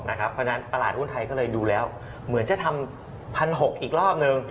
เพราะฉะนั้นตลาดหุ้นไทยก็เลยดูแล้วเหมือนจะทำ๑๖๐๐อีกรอบนึง